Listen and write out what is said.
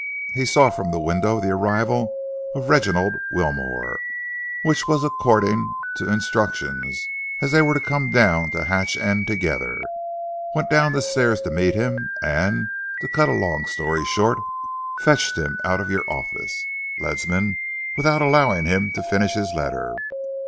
He saw from the window the arrival of Reginald Wilmore which was according to instructions, as they were to come down to Hatch End together went down the stairs to meet him, and, to cut a long story short, fetched him out of your office, Ledsam, without allowing him to finish his letter.